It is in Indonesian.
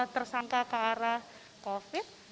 tersangka ke arah covid